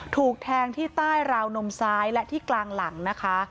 ถูกแทงที่ใต้ราวนมซ้ายและที่กลางหลังนะคะ